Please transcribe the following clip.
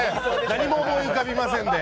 何も思い浮かびませんで。